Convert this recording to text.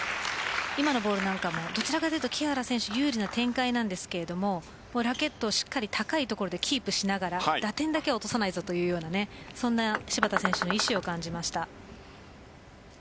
今のボール、どちらかというと木原選手が有利な展開なんですけどラケットを高いところでキープしながら打点だけは落とさないぞという芝田選手の意思を感じました。